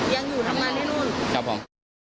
ยังอยู่ทางงานที่โน่น